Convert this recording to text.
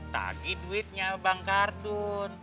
tagi duitnya bang kardun